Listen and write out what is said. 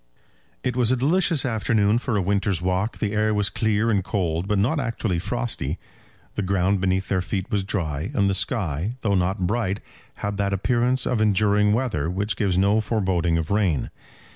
It was a delicious afternoon for a winter's walk. The air was clear and cold, but not actually frosty. The ground beneath their feet was dry, and the sky, though not bright, had that appearance of enduring weather which gives no foreboding of rain.